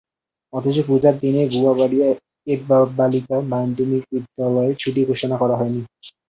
অথচ পূজার দিনে গুয়াবাড়িয়া এবিবালিকা মাধ্যমিক বিদ্যালয়ে ছুটি ঘোষণা করা হয়নি।